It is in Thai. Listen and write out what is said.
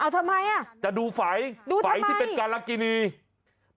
ทำไมจะดูฝัยฝัยที่เป็นการลักษณีย์